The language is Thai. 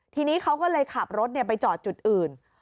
ทีนี้เขาก็เลยขับรถไปจอดจุดอื่น